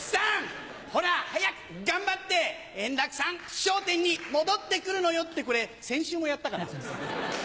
ほら早く頑張って円楽さん『笑点』に戻って来るのよってこれ先週もやったかな？